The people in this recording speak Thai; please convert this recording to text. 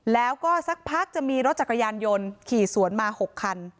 แล้วก็สักพักจะมีรถจักรยานยนต์ขี่สวนมา๖คัน